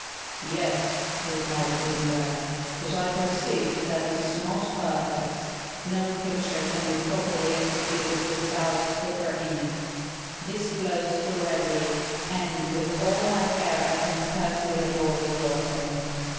"Yes," replied Gutenberg, "but I perceive that it is not perfect. No picture can be properly executed without thicker ink. This flows too readily, and with all my care I can scarcely avoid blotting."